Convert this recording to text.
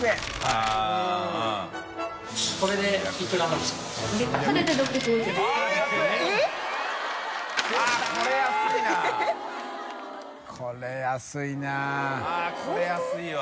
あっこれ安いわ。